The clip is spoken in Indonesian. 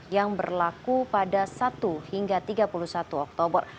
yang berlaku pada satu hingga tiga puluh satu oktober